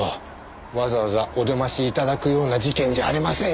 わざわざお出まし頂くような事件じゃありませんよ。